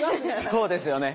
そうですよね。